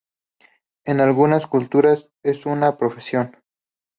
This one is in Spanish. En algunas culturas es una profesión.